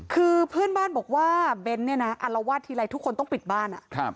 คือเพื่อนบ้านบอกว่าเบ้นเนี่ยนะอารวาสทีไรทุกคนต้องปิดบ้าน